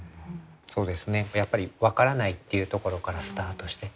そうですねやっぱり分からないっていうところからスタートして。